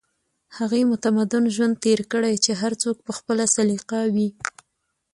هغې متمدن ژوند تېر کړی چې هر څوک په خپله سليقه وي